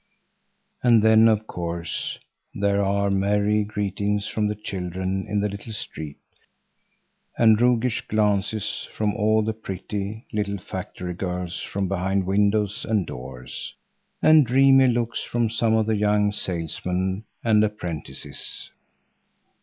And then of course there are merry greetings from the children in the little street and roguish glances from all the pretty, little factory girls from behind windows and doors, and dreamy looks from some of the young salesmen and apprentices.